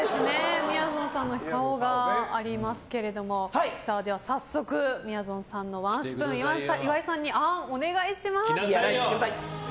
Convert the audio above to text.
みやぞんさんの顔がありますけどもでは、早速みやぞんさんのワンスプーン岩井さんにあーんをお願いします。